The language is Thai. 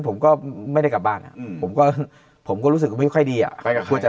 ผมก็ไม่ได้กลับบ้านอ่ะผมก็ผมก็รู้สึกไม่ค่อยดีอ่ะ